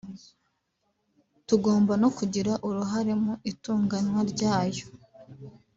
tugomba no kugira uruhare mu itunganywa ryayo”